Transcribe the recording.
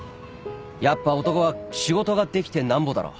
やっぱ男は仕事ができて何ぼだろ。